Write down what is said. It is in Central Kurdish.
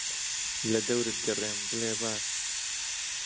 لەدەورت گەڕێم بڵێ باش